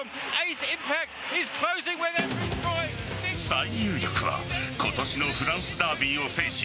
最有力は今年のフランスダービーを制し